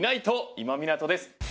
今湊です。